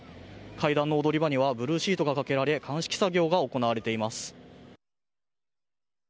階段の踊り場にはブルーシートがかけられ鑑識作業が行われています。